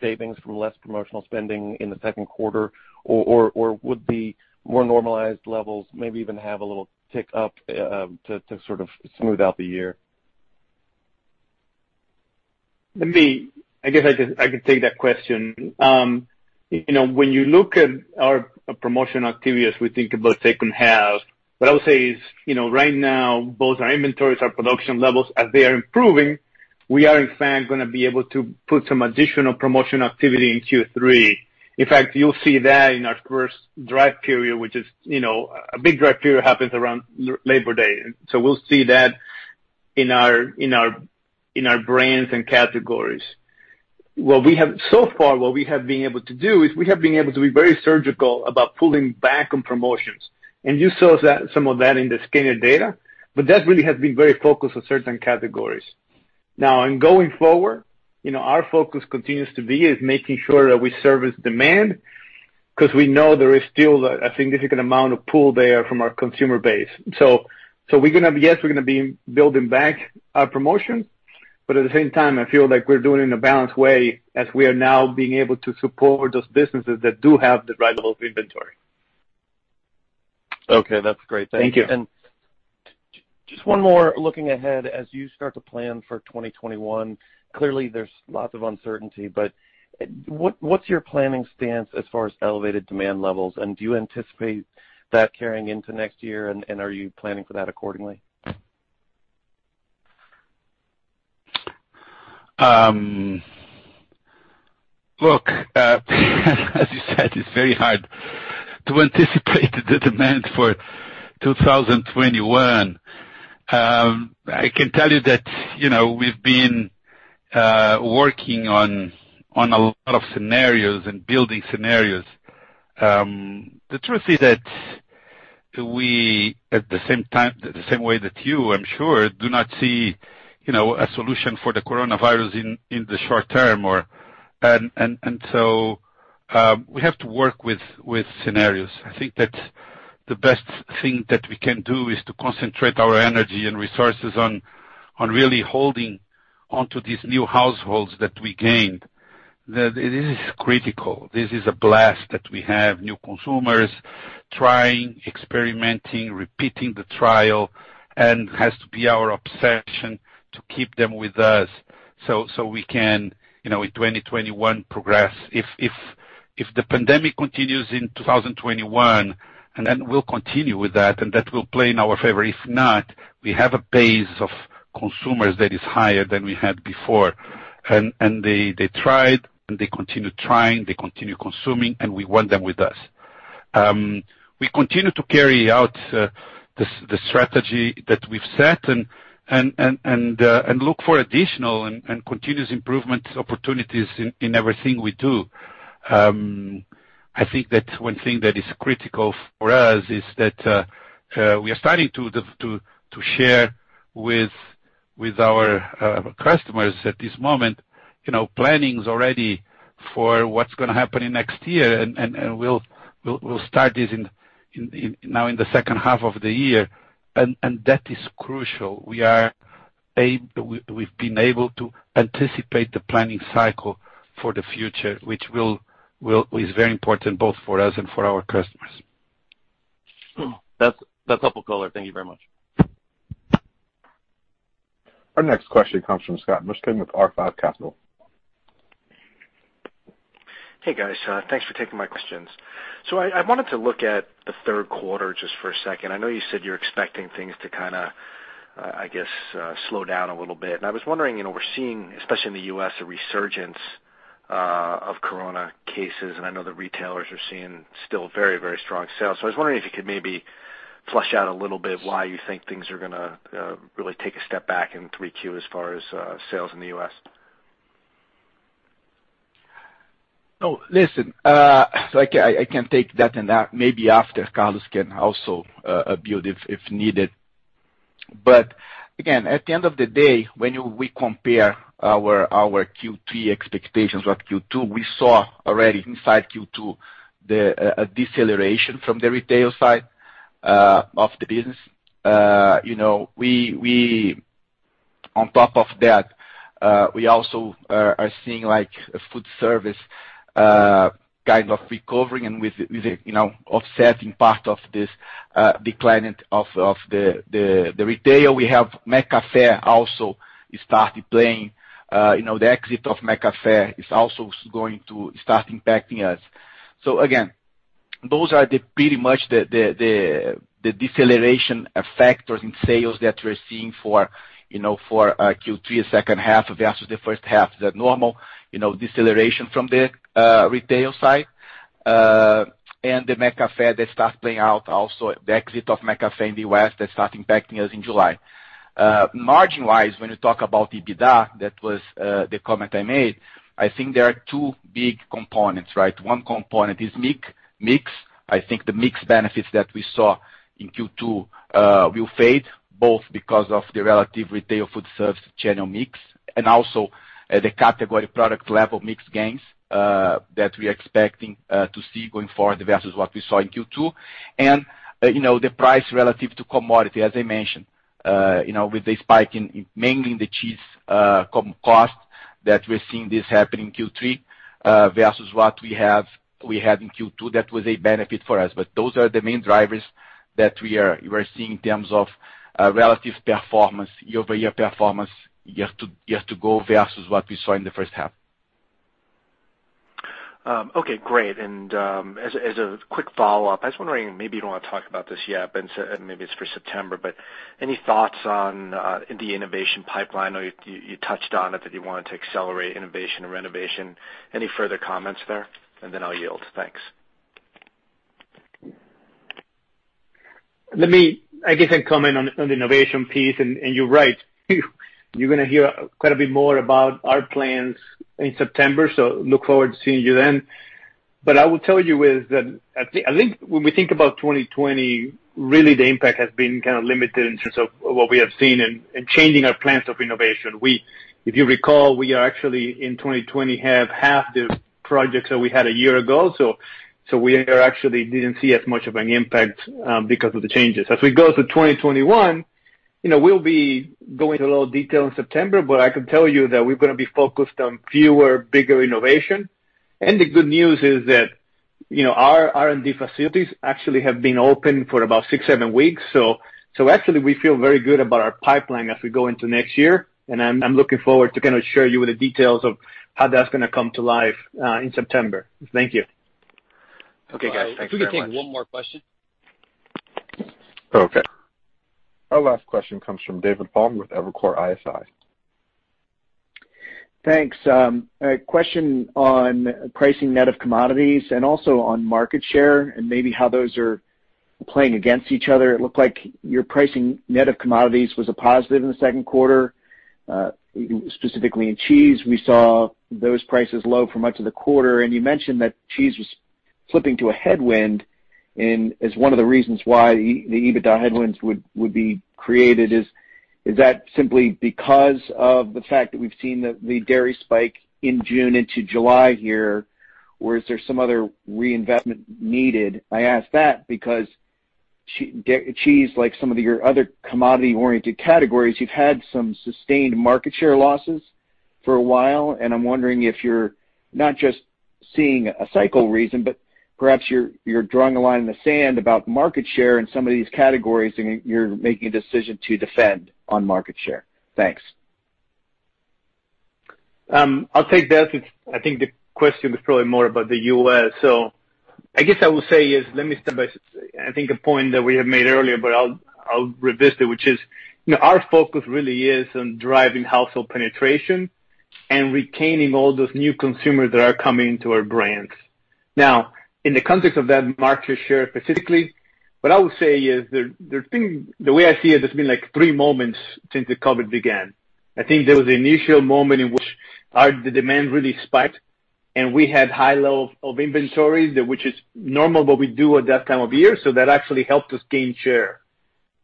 savings from less promotional spending in the second quarter, or would the more normalized levels maybe even have a little tick up to sort of smooth out the year? I guess I could take that question. When you look at our promotion activities, we think about second half. What I would say is, right now both our inventories, our production levels, as they are improving, we are in fact going to be able to put some additional promotion activity in Q3. You'll see that in our first drive period, which is a big drive period happens around Labor Day. We'll see that in our brands and categories. So far what we have been able to do is we have been able to be very surgical about pulling back on promotions. You saw some of that in the scanner data, but that really has been very focused on certain categories. In going forward, our focus continues to be is making sure that we service demand, because we know there is still a significant amount of pull there from our consumer base. Yes, we're going to be building back our promotion, but at the same time, I feel like we're doing it in a balanced way as we are now being able to support those businesses that do have the right levels of inventory. Okay, that's great. Thank you. Thank you. Just one more, looking ahead as you start to plan for 2021, clearly there's lots of uncertainty, but what's your planning stance as far as elevated demand levels, and do you anticipate that carrying into next year, and are you planning for that accordingly. Look, as you said, it's very hard to anticipate the demand for 2021, I can tell you that we've been working on a lot of scenarios and building scenarios. The truth is that we, at the same way that you, I'm sure, do not see a solution for the coronavirus in the short term. We have to work with scenarios. I think that the best thing that we can do is to concentrate our energy and resources on really holding onto these new households that we gained. That it is critical. This is a blast that we have new consumers trying, experimenting, repeating the trial, and has to be our obsession to keep them with us, so we can, in 2021 progress. If the pandemic continues in 2021, and then we'll continue with that, and that will play in our favor. If not, we have a base of consumers that is higher than we had before. They tried, and they continue trying, they continue consuming, and we want them with us. We continue to carry out the strategy that we've set and look for additional and continuous improvement opportunities in everything we do. I think that one thing that is critical for us is that we are starting to share with our customers at this moment, plannings already for what's going to happen in next year. We'll start this now in the second half of the year. That is crucial. We've been able to anticipate the planning cycle for the future, which is very important both for us and for our customers. That's helpful, Carlos. Thank you very much. Our next question comes from Scott Mushkin with R5 Capital. Hey, guys. Thanks for taking my questions. I wanted to look at the third quarter just for a second. I know you said you're expecting things to kind of, I guess, slow down a little bit. I was wondering, we're seeing, especially in the U.S., a resurgence of Corona cases, and I know the retailers are seeing still very, very strong sales. I was wondering if you could maybe flush out a little bit why you think things are going to really take a step back in 3Q as far as sales in the U.S. No, listen. I can take that and maybe after, Carlos can also build if needed. Again, at the end of the day, when we compare our Q3 expectations with Q2, we saw already inside Q2 a deceleration from the retail side of the business. We also are seeing a foodservice kind of recovering and with offsetting part of this declining of the retail. We have McCafé also started playing. The exit of McCafé is also going to start impacting us. Again, those are pretty much the deceleration effect or in sales that we're seeing for our Q3 second half versus the first half, the normal deceleration from the retail side, and the McCafé that start playing out also, the exit of McCafé in the West that start impacting us in July. Margin-wise, when you talk about the EBITDA, that was the comment I made, I think there are two big components. One component is mix. I think the mix benefits that we saw in Q2 will fade, both because of the relative retail foodservice channel mix and also the category product level mix gains that we're expecting to see going forward versus what we saw in Q2. The price relative to commodity, as I mentioned, with a spike mainly in the cheese cost that we're seeing this happen in Q3 versus what we had in Q2. That was a benefit for us. Those are the main drivers that we are seeing in terms of relative performance, year-over-year performance, year to go versus what we saw in the first half. Okay, great. As a quick follow-up, I was wondering, maybe you don't want to talk about this yet, but maybe it's for September, but any thoughts on the innovation pipeline? I know you touched on it, that you wanted to accelerate innovation and renovation. Any further comments there? Then I'll yield. Thanks. Let me, I guess, I comment on the innovation piece, you're right. You're going to hear quite a bit more about our plans in September, look forward to seeing you then. I will tell you is that I think when we think about 2020, really the impact has been kind of limited in terms of what we have seen and changing our plans of innovation. If you recall, we are actually in 2020 have half the projects that we had a year ago, we here actually didn't see as much of an impact because of the changes. As we go through 2021, we'll be going into a little detail in September, I can tell you that we're going to be focused on fewer, bigger innovation. The good news is that our R&D facilities actually have been open for about six, seven weeks. Actually, we feel very good about our pipeline as we go into next year, and I'm looking forward to kind of share you with the details of how that's going to come to life in September. Thank you. Okay, guys. Thank you very much. We can take one more question. Okay. Our last question comes from David Palmer with Evercore ISI. Thanks. A question on pricing net of commodities and also on market share and maybe how those are playing against each other. It looked like your pricing net of commodities was a positive in the second quarter. Specifically in cheese, we saw those prices low for much of the quarter. You mentioned that cheese was flipping to a headwind and as one of the reasons why the EBITDA headwinds would be created. Is that simply because of the fact that we've seen the dairy spike in June into July here, or is there some other reinvestment needed? I ask that because cheese, like some of your other commodity-oriented categories, you've had some sustained market share losses for a while. I'm wondering if you're not just seeing a cycle reason, but perhaps you're drawing a line in the sand about market share in some of these categories, and you're making a decision to defend on market share. Thanks. I'll take that. I think the question is probably more about the U.S. I guess I will say is, let me start by, I think, a point that we have made earlier, but I'll revisit it, which is our focus really is on driving household penetration and retaining all those new consumers that are coming into our brands. In the context of that market share specifically, what I would say is, the way I see it, there's been three moments since the COVID began. I think there was the initial moment in which the demand really spiked, and we had high level of inventories, which is normal what we do at that time of year, so that actually helped us gain share.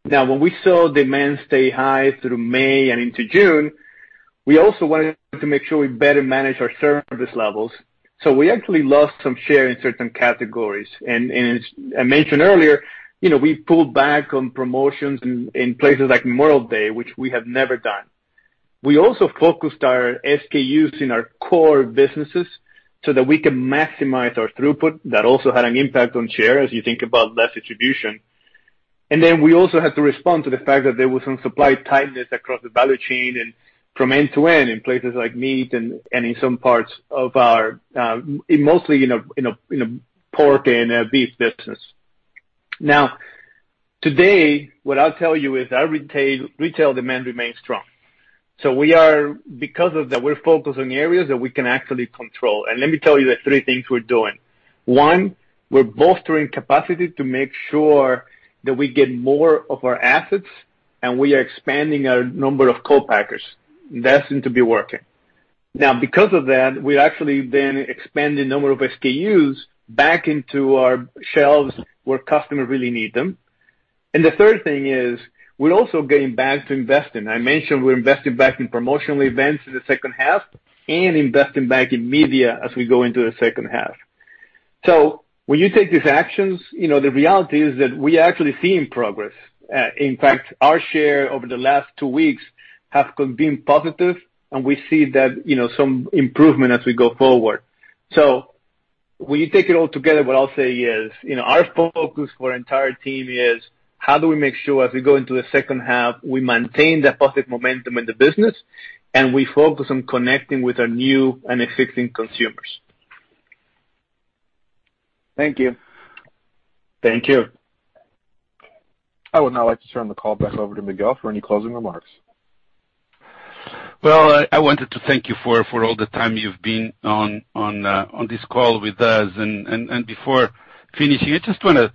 When we saw demand stay high through May and into June, we also wanted to make sure we better manage our service levels. We actually lost some share in certain categories. I mentioned earlier, we pulled back on promotions in places like Memorial Day, which we have never done. We also focused our SKUs in our core businesses so that we can maximize our throughput. That also had an impact on share as you think about less distribution. We also had to respond to the fact that there was some supply tightness across the value chain and from end to end in places like meat and in some parts of our, mostly in our pork and beef business. Today, what I'll tell you is our retail demand remains strong. Because of that, we're focused on areas that we can actually control. Let me tell you the three things we're doing. One, we're bolstering capacity to make sure that we get more of our assets, and we are expanding our number of co-packers. That seem to be working. Because of that, we actually then expanded number of SKUs back into our shelves where customer really need them. The third thing is we're also getting back to investing. I mentioned we're investing back in promotional events in the second half and investing back in media as we go into the second half. When you take these actions, the reality is that we are actually seeing progress. In fact, our share over the last two weeks have been positive, and we see that some improvement as we go forward. When you take it all together, what I'll say is, our focus for entire team is how do we make sure as we go into the second half, we maintain that positive momentum in the business, and we focus on connecting with our new and existing consumers. Thank you. Thank you. I would now like to turn the call back over to Miguel for any closing remarks. Well, I wanted to thank you for all the time you've been on this call with us. Before finishing, I just want to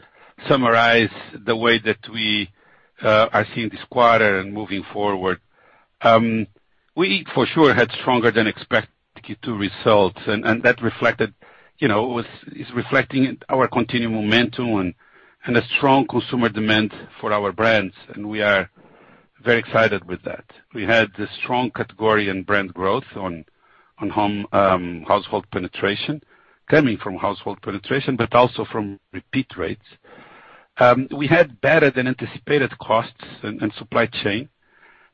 summarize the way that we are seeing this quarter and moving forward. We, for sure, had stronger than expected Q2 results, and that is reflecting our continued momentum and a strong consumer demand for our brands, and we are very excited with that. We had this strong category and brand growth coming from household penetration, but also from repeat rates. We had better than anticipated costs and supply chain,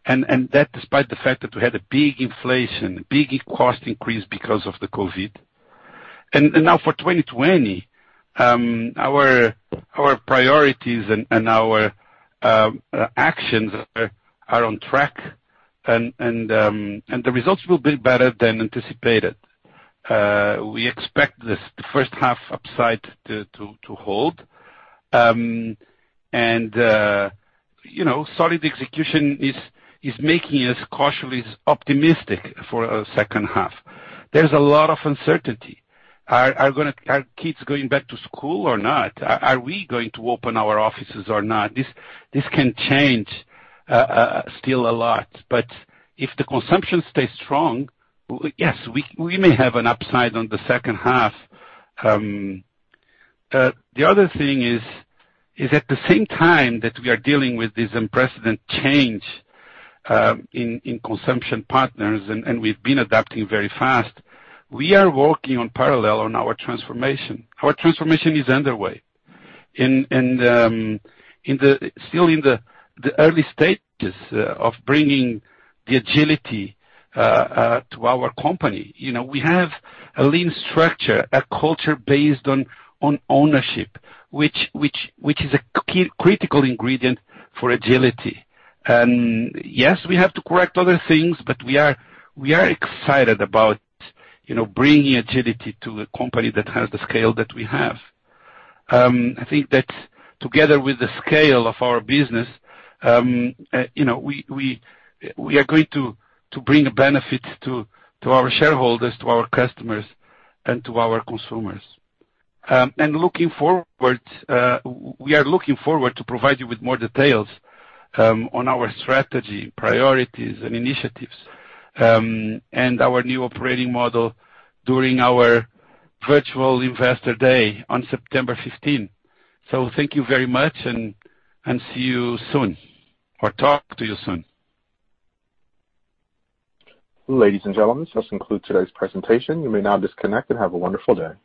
despite the fact that we had a big inflation, big cost increase because of the COVID. Now for 2020, our priorities and our actions are on track, and the results will be better than anticipated. We expect this first half upside to hold. Solid execution is making us cautiously optimistic for a second half. There's a lot of uncertainty. Are kids going back to school or not? Are we going to open our offices or not? This can change still a lot. If the consumption stays strong, yes, we may have an upside on the second half. The other thing is at the same time that we are dealing with this unprecedented change in consumption patterns, and we've been adapting very fast, we are working on parallel on our transformation. Our transformation is underway and still in the early stages of bringing the agility to our company. We have a lean structure, a culture based on ownership, which is a critical ingredient for agility. Yes, we have to correct other things, but we are excited about bringing agility to a company that has the scale that we have. I think that together with the scale of our business we are going to bring a benefit to our shareholders, to our customers, and to our consumers. We are looking forward to provide you with more details on our strategy, priorities, and initiatives, and our new operating model during our virtual Investor Day on September 15th. Thank you very much, and see you soon, or talk to you soon. Ladies and gentlemen, this concludes today's presentation. You may now disconnect, and have a wonderful day.